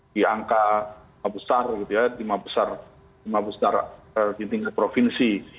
di angka besar gitu ya lima besar lima besar ditingkat provinsi